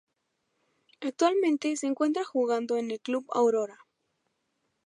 Actualmente se encuentra jugando en el club Aurora.